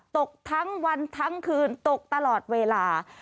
ตกทั้งวันทั้งคืนตกตลอดเวลา